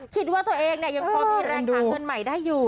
คิดว่าตัวเองยังพร้อมได้รายความเงินใหม่ได้อยู่